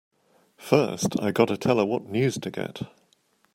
First I gotta tell her what news to get!